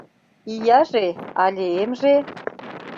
Ияже але эмже?